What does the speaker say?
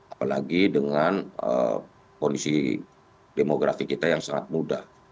apalagi dengan kondisi demografi kita yang sangat mudah